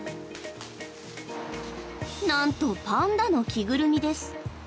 なんと、パンダの着ぐるみです。